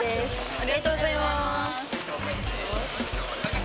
ありがとうございます。